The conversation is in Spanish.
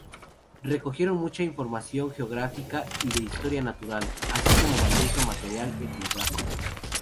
Recogieron mucha información geográfica y de historia natural, así como valioso material etnográfico.